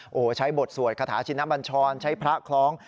โอ้โหใช้บทสวดคาถาชินบัญชรใช้พระคล้อง